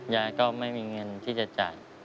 ยายก็ไม่มีเงินที่จะจ่าย